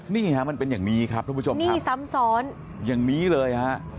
นี่ฮะมันเป็นอย่างนี้ครับทุกผู้ชมครับนี่ซ้ำซ้อนอย่างนี้เลยฮะ